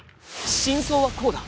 真相はこうだ